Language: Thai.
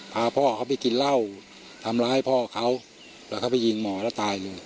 พาพ่อเขาไปกินเหล้าทำร้ายพ่อเขาแล้วเขาไปยิงหมอแล้วตายเลย